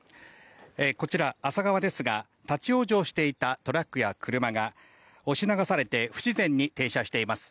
こちら、厚狭川ですが立ち往生していたトラックや車が押し流されて不自然に停車しています。